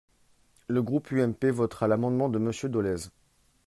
Le groupe UMP votera l’amendement de Monsieur Dolez.